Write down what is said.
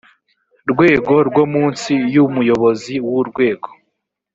rwego rwo munsi y umuyobozi w urwego